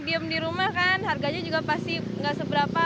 diam di rumah kan harganya juga pasti nggak seberapa